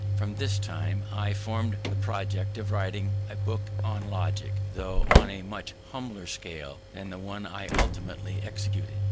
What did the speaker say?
From this time I formed the project of writing a book on Logic, though on a much humbler scale than the one I ultimately executed.